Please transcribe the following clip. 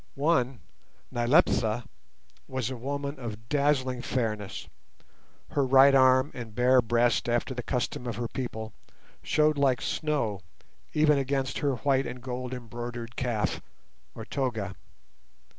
One, Nyleptha, was a woman of dazzling fairness; her right arm and breast bare, after the custom of her people, showed like snow even against her white and gold embroidered "kaf", or toga.